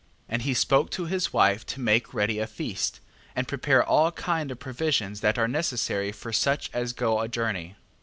8:21. And he spoke to his wife to make ready a feast, and prepare all kind of provisions that are necessary for such as go a journey.